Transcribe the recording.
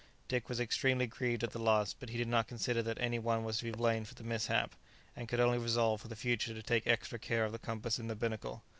Dick was extremely grieved at the loss; but he did not consider that any one was to be blamed for the mishap, and could only resolve for the future to take extra care of the compass in the binnacle.